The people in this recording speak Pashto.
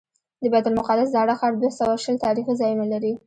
د بیت المقدس زاړه ښار دوه سوه شل تاریخي ځایونه لري.